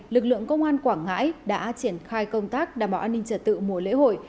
lực lượng công an quảng ngãi đã triển khai công tác đảm bảo an ninh trật tự mùa lễ hội